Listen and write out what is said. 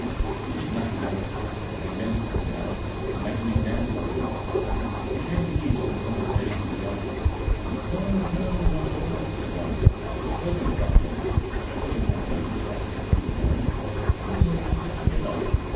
He did nothing else; they meant, no doubt, to make an example of him." We came near to the conversation of the others. "No, no, not at all," said one. "He wasn't a ruffian, he wasn't one of those toughs that we all know. We all enlisted together.